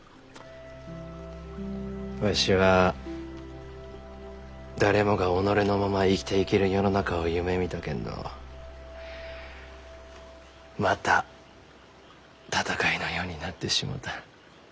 わしは誰もが己のまま生きていける世の中を夢みたけんどまた戦いの世になってしもうた。